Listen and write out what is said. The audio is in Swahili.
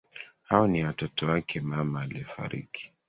Hao ni watoto wake mama aliyefariki.